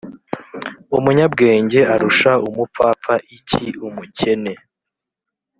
Umunyabwenge arusha umupfapfa iki Umukene